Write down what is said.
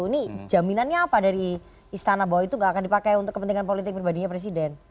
ini jaminannya apa dari istana bahwa itu nggak akan dipakai untuk kepentingan politik pribadinya presiden